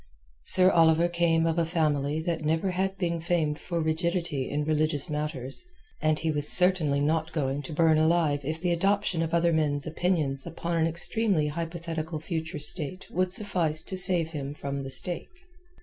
Sir Oliver came of a family that never had been famed for rigidity in religious matters, and he was certainly not going to burn alive if the adoption of other men's opinions upon an extremely hypothetical future state would suffice to save him from the stake.